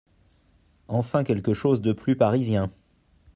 Enfin quelque chose de plus parisien…